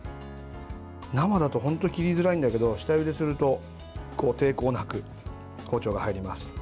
生だと本当、切りづらいんだけど下ゆですると抵抗なく包丁が入ります。